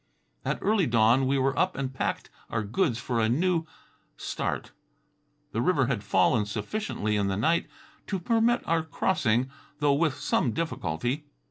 At early dawn we were up and packed our goods for a new start. The river had fallen sufficiently in the night to permit our crossing, though with some difficulty.